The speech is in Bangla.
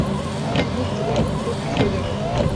চিবুক এবং ঠোঁট কিশোরীদের মতো।